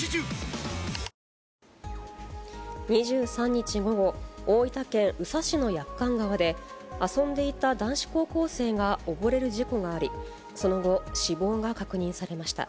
２３日午後、大分県宇佐市の駅館川で、遊んでいた男子高校生が溺れる事故があり、その後、死亡が確認されました。